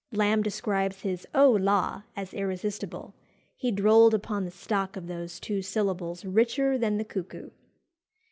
Lamb describes his "Oh, la!" as irresistible; "he drolled upon the stock of those two syllables richer than the cuckoo."